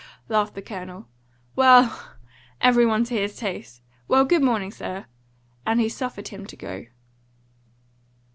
laughed the Colonel. "Well! every one to his taste. Well, good morning, sir!" and he suffered him to go.